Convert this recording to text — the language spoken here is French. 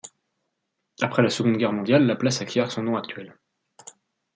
Après la Seconde Guerre mondiale la place acquiert son nom actuel.